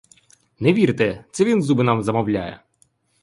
Не вірте, це він зуби нам замовляє!